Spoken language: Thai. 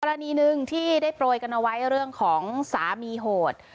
กรณีหนึ่งที่ได้โปรยกันเอาไว้เรื่องของสามีโหด